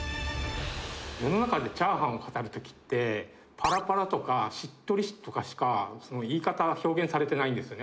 世の中でチャーハンを語るときって、ぱらぱらとかしっとりとかしか、言い方が表現されてないんですよね。